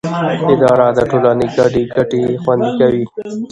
اداره د ټولنې ګډې ګټې خوندي کوي.